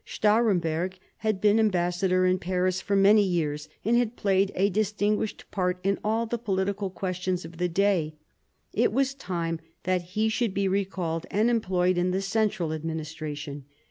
Stahremberg had been ambassador in Paris for many years, and had played a distinguished part in all the political questions of the day; it was time that he should be recalled and employed in the central administration.